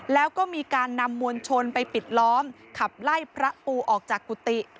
แล้วก็มีการนำมวลชนไปปิดล้อมขับไล่พระปูออกจากกุฏิ